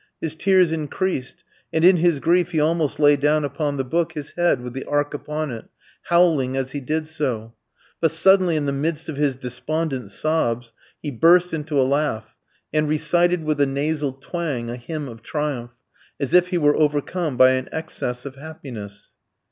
His tears increased, and in his grief he almost lay down upon the book his head with the ark upon it, howling as he did so; but suddenly in the midst of his despondent sobs he burst into a laugh, and recited with a nasal twang a hymn of triumph, as if he were overcome by an excess of happiness.